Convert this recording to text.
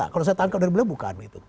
kalau saya tangkap dari beliau bukan